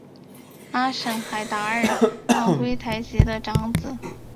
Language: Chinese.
阿什海达尔汉珲台吉的长子。